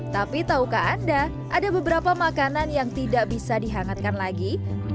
tapi tahukah anda ada beberapa makanan yang tidak bisa dihangatkan lagi